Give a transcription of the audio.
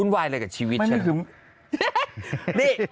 ดำเนินคดีต่อไปนั่นเองครับ